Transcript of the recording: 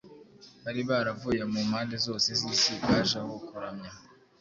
bari baravuye mu mpande zoze z’isi baje aho kuramya,